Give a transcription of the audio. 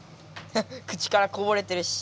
口からこぼれてるし。